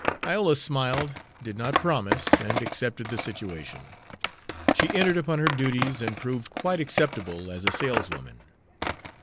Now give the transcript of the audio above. Iola smiled, did not promise, and accepted the situation. She entered upon her duties, and proved quite acceptable as a saleswoman.